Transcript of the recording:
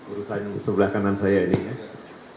urusan sebelah kanan saya ini ya